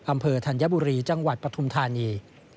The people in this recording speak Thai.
อำเภอธัญบุรีจังหวัดปทุมธานี